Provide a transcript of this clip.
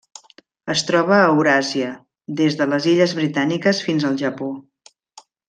Es troba a Euràsia: des de les Illes Britàniques fins al Japó.